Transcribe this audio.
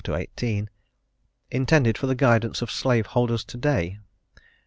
12 18) intended for the guidance of slave holders to day?